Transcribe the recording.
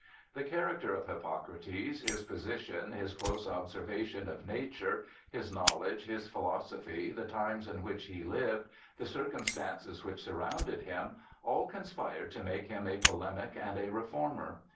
156 BIOGRAPHICAL ESSAYS The character of Hippocrates, his position, his close ob servation of nature, his knowledge, his philosophy, the times in which he lived, the circumstances which surrounded him, all conspired to make him a polemic and a reformer.